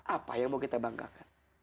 apa yang mau kita banggakan